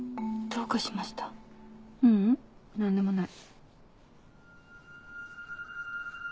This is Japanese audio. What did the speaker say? ううん何でもない。